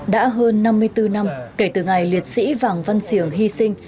đã hơn năm mươi bốn năm kể từ ngày liệt sĩ vàng văn siềng hy sinh